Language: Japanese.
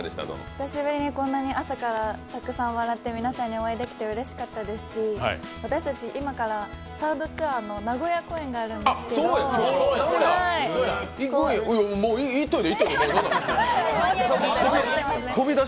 久しぶりにこんなに朝から笑って皆さんにお会いできてうれしかったですし、私たち今からサードツアーの名古屋公演があるんですけど、まだ間に合います。